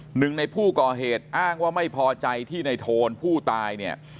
หนึ่งในผู้ก่อเหตุอ้างว่าไม่พอใจที่ในโทนผู้ตายเนี่ย